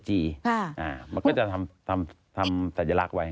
อาหารมันก็จะแสดงลักษณ์ไว้